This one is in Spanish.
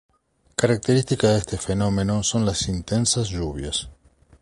Característica de este fenómeno son las intensas lluvias.